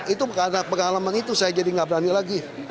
itu karena pengalaman itu saya jadi nggak berani lagi